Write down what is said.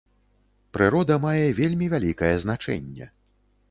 Прырода мае вельмі вялікае значэнне.